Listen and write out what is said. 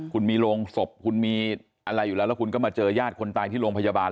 คุณมีโรงศพคุณมีอะไรอยู่แล้วแล้วคุณก็มาเจอญาติคนตายที่โรงพยาบาล